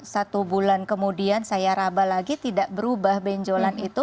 satu bulan kemudian saya raba lagi tidak berubah benjolan itu